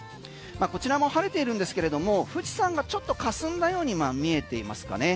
こちらも晴れているんですけれども富士山がちょっとかすんだように見えていますかね。